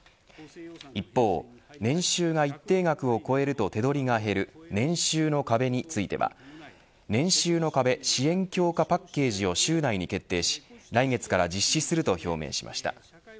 一方、年収が一定額を超える手取りが減る年収の壁については年収の壁支援強化パッケージを週内に決定し来月から実施すると表明しました。